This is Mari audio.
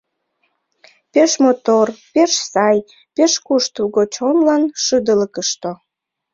Пеш мотор, пеш сай, пеш куштылго чонлан шудылыкышто!